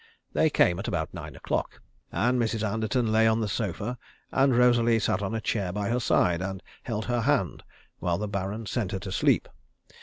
They came at about nine o'clock, and Mrs. Anderton lay on the sofa, and Rosalie sat on a chair by her side, and held her hand while the Baron sent her to sleep.